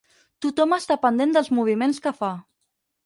Tothom està pendent dels moviments que fa.